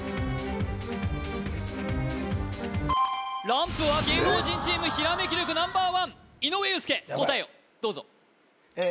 ランプは芸能人チームひらめき力Ｎｏ．１井上裕介答えをどうぞえ